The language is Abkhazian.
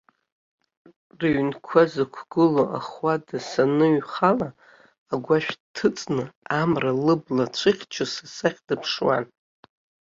Рыҩнқәа зықәгылоу ахәада саныҩхала, агәашә дҭыҵны, амра лыбла ацәыхьчо, са сахь дыԥшуан.